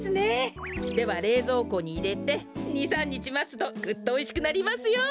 ではれいぞうこにいれて２３にちまつとぐっとおいしくなりますよ。